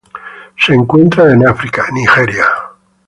Se encuentran en África: Nigeria.